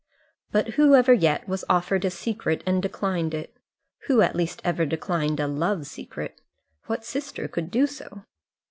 But who ever yet was offered a secret and declined it? Who at least ever declined a love secret? What sister could do so?